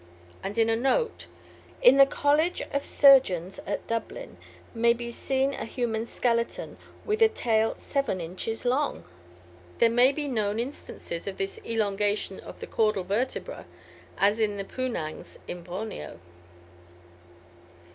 And in a note, "In the College of Surgeons at Dublin may still be seen a human skeleton, with a tail seven inches long! There are many known instances of this elongation of the caudal vertebra, as in the Poonangs in Borneo."